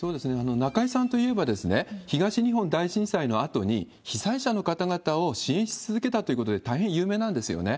中居さんといえば、東日本大震災のあとに、被災者の方々を支援し続けたということで大変有名なんですよね。